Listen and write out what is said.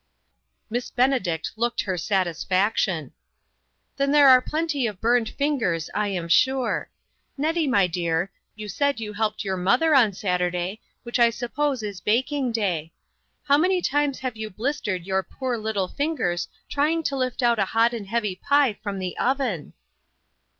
Miss Benedict looked her satisfaction. " Then there are plenty of burnt fingers, I am sure. Nettie, ray dear, you said you Il6 INTERRUPTED. helped your mother on Saturday, which I suppose is baking day. How many times have you blistered your poor little fingers trying to lift out a hot and heavy pie from the oven?"